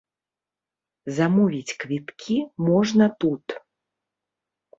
Замовіць квіткі можна тут.